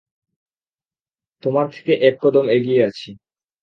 তোমার থেকে এক কদম এগিয়ে আছি।